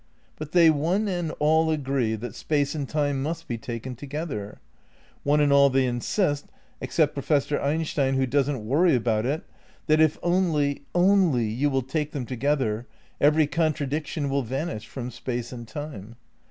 But they one and all agree that Space and Time must be taken together. One and all they insist (except Professor Einstein who doesn't worry about it) that if only, only you will take them together every contradiction will vanish from Space and Time.